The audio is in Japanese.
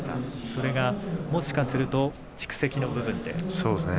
それがもしかすると蓄積の部分で。